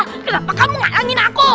kenapa kamu gak angin aku